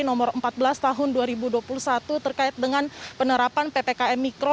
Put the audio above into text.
nomor empat belas tahun dua ribu dua puluh satu terkait dengan penerapan ppkm mikro